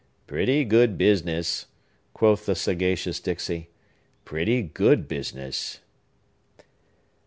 "Pretty good business!" quoth the sagacious Dixey,—"pretty good business!"